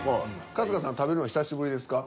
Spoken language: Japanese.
春日さん食べるの久しぶりですか？